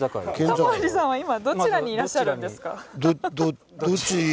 タモリさんは今どちらにいらっしゃるんですか？